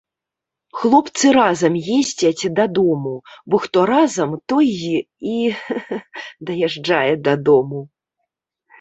Хлопцы разам ездзяць дадому, бо хто разам, той і даязджае да дому.